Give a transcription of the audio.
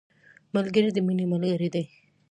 ملګری د مینې ملګری دی